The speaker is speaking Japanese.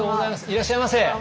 いらっしゃいませ。